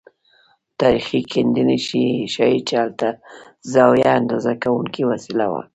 تاریخي کیندنې ښيي چې هلته زاویه اندازه کوونکې وسیله وه.